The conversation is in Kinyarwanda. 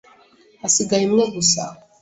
Hasigaye imwe gusa.